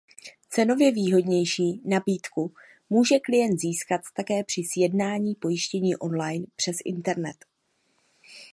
Cenově výhodnější nabídku může klient získat také při sjednání pojištění online přes internet.